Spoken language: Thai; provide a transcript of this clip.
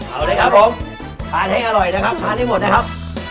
เอาเลยครับผมทานให้อร่อยนะครับทานให้หมดนะครับ